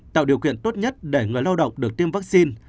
tạo điều kiện tốt nhất để người lao động được tiêm vaccine